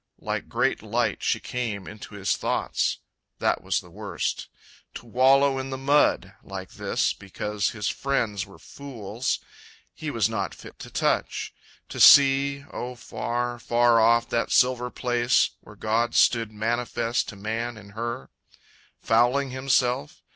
Like great light She came into his thoughts. That was the worst. To wallow in the mud like this because His friends were fools.... He was not fit to touch, To see, oh far, far off, that silver place Where God stood manifest to man in her.... Fouling himself....